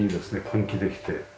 換気できて。